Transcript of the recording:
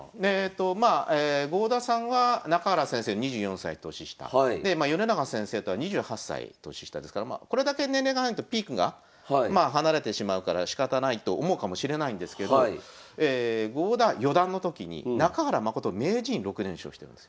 まあ郷田さんは中原先生２４歳年下で米長先生とは２８歳年下ですからこれだけ年齢が離れてるとピークが離れてしまうからしかたないと思うかもしれないんですけど郷田四段の時に中原誠名人に６連勝してるんですよ。